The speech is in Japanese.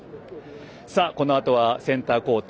このあとはセンターコート